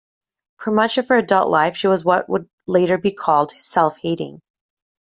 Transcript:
For much of her adult life she was what would later be called self-hating.